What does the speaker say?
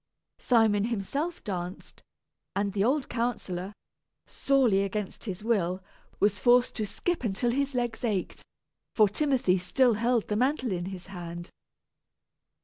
Simon himself danced, and the old counsellor, sorely against his will, was forced to skip until his legs ached, for Timothy still held the mantle in his hand.